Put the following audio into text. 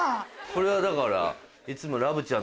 これはだから。